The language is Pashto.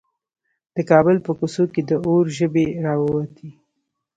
د کابل په کوڅو کې د اور ژبې راووتې.